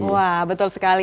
wah betul sekali